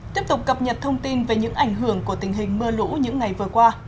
tiếp tục cập nhật thông tin về những ảnh hưởng của tình hình mưa lũ những ngày vừa qua